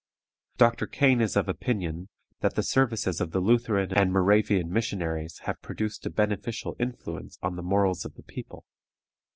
Dr. Kane is of opinion that the services of the Lutheran and Moravian missionaries have produced a beneficial influence on the morals of the people.